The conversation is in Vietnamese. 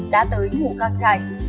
đã tới ngủ càng chạy